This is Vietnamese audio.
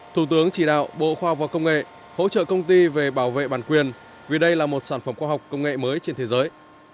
thủ tướng chỉ đạo bộ khoa và công nghệ hỗ trợ công ty về bảo vệ bản quyền vì đây là một sản phẩm khoa học công nghệ mới trên thế giới